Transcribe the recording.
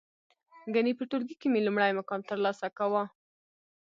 گني په ټولگي کې مې لومړی مقام ترلاسه کاوه.